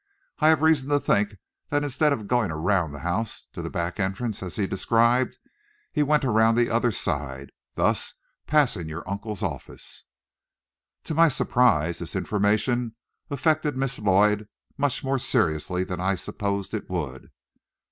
I have reason to think that instead of going around the house to the back entrance as he described, he went around the other side, thus passing your uncle's office." To my surprise this information affected Miss Lloyd much more seriously than I supposed it would.